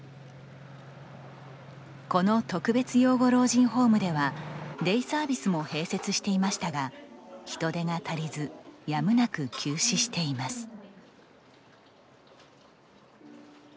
この特別養護老人ホームではデイサービスも併設していましたが人手が足りずやむなく休止しています。